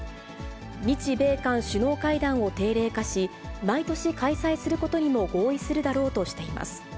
日米韓首脳会談を定例化し、毎年開催することにも合意するだろうとしています。